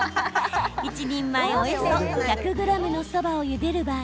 １人前およそ１００ｇのそばをゆでる場合